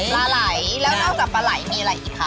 ปลาไหลแล้วนอกจากปลาไหลมีอะไรอีกคะ